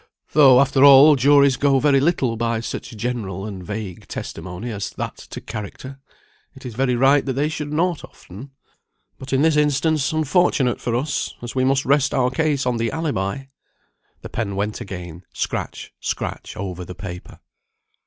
Though after all, juries go very little by such general and vague testimony as that to character. It is very right that they should not often; but in this instance unfortunate for us, as we must rest our case on the alibi." The pen went again, scratch, scratch over the paper.